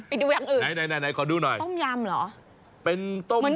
ไปดูอย่างอื่นไหนขอดูหน่อยถ้มยำเหรอเป็นต้มยำ